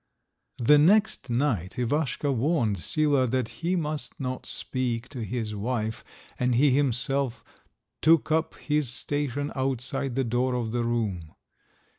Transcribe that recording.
The next night Ivaschka warned Sila that he must not speak to his wife, and he himself took up his station outside the door of the room.